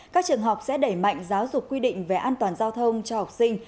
các trường học sẽ đẩy mạnh giáo dục quy định về an toàn giao thông cho học sinh